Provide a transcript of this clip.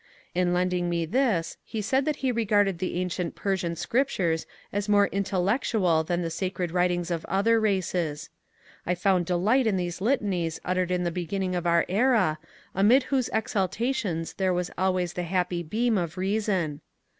In lending me this he said that he regarded the ancient Persian scriptures as more intellectual than the sacred writings of other races. I found delight in these litanies uttered in the beginning of our era, amid whose exaltations there was al ways the happy beam of reason.